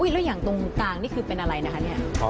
แล้วอย่างตรงกลางนี่คือเป็นอะไรนะคะเนี่ย